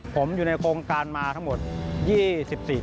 ผมอยู่ในโครงการมาทั้งหมด๒๔ปี